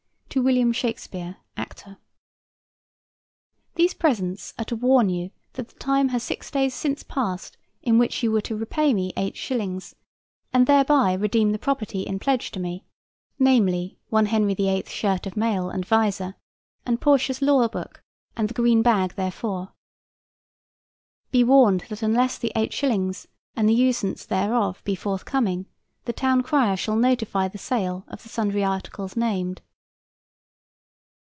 To WILLIAM SHAKESPEARE, Actor: These presents are to warn you that the time has six days since passed in which you were to repay me 8 shillings, and thereby redeem the property in pledge to me; namely, one Henry VIII. shirt of mail and visor, and Portia's law book, and the green bag therefor. Be warned that unless the 8 shillings and the usance thereof be forthcoming, the town crier shall notify the sale of the sundry articles named.